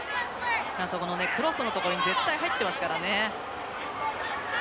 クロスのところに絶対入ってますからね。